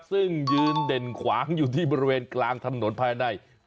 ซึ่งยืนเด่นขวางอยู่ที่บริเวณกลางถนนภายใน